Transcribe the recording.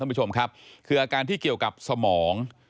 พบหน้าลูกแบบเป็นร่างไร้วิญญาณ